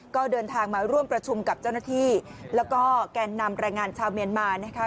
ก็เดินทางมาร่วมประชุมกับเจ้าหน้าที่แล้วก็แกนนำแรงงานชาวเมียนมานะคะ